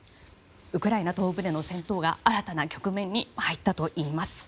ウクライナ東部での戦闘が新たな局面に入ったといいます。